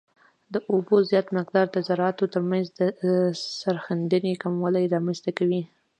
د اوبو زیات مقدار د ذراتو ترمنځ د سریښېدنې کموالی رامنځته کوي